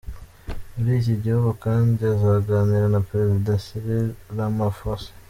Muri iki gihugu kandi azaganira na Perezida Cyril Ramaphosa.